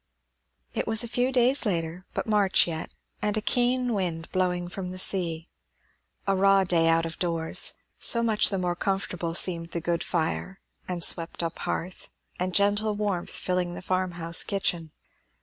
It was a few days later, but March yet, and a keen wind blowing from the sea. A raw day out of doors; so much the more comfortable seemed the good fire, and swept up hearth, and gentle warmth filling the farmhouse kitchen.